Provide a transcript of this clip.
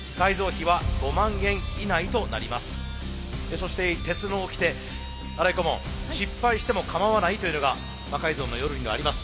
そして鉄のおきて新井顧問「失敗してもかまわない」というのが「魔改造の夜」にはあります。